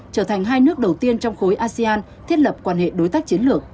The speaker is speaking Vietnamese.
trở thành hai nước đầu tiên trong khối asean thiết lập quan hệ đối tác chiến lược